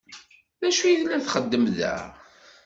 D acu i la txeddem da?